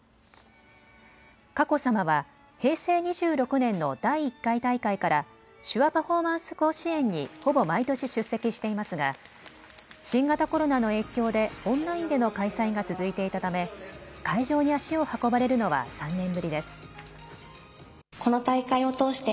佳子さまは平成２６年の第１回大会から手話パフォーマンス甲子園にほぼ毎年、出席していますが新型コロナの影響でオンラインでの開催が続いていたため、会場に足を運ばれるのは３年ぶりです。